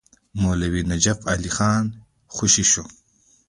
مولوي نجف علي خان خوشي شو.